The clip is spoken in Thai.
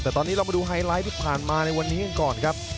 แต่ตอนนี้เรามาดูไฮไลท์ที่ผ่านมาในวันนี้กันก่อนครับ